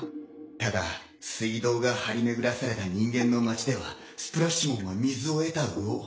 ただ水道が張り巡らされた人間の街ではスプラッシュモンは水を得た魚。